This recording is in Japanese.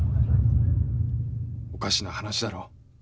おかしな話だろ？